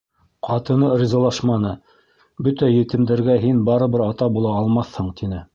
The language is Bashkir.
Ҡатыны ризалашманы, «Бөтә етемдәргә һин барыбер ата була алмаҫһың», тине.